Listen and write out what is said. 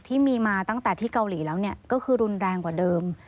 ที่มีมาตั้งแต่ที่เกาหลีแล้วเนี่ยก็คือรุนแรงกว่าเดิม